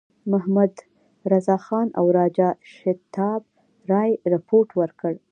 محمدرضاخان او راجا شیتاب رای رپوټ ورکړ.